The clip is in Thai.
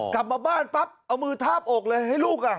กลับมาบ้านปั๊บเอามือทาบอกเลยให้ลูกอ่ะ